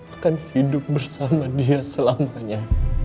akan hidup bersama dia selamanya